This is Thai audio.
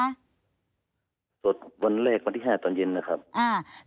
สวัสดีวันแรกวันที่๕ตอนเย็นนะครับ